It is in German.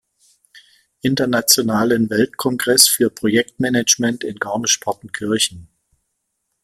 Internationalen Weltkongresses für Projektmanagement in Garmisch-Partenkirchen.